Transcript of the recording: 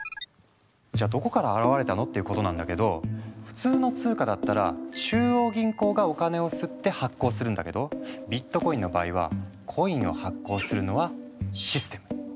じゃあどこから現れたの？っていうことなんだけど普通の通貨だったら中央銀行がお金を刷って発行するんだけどビットコインの場合はコインを発行するのはシステム。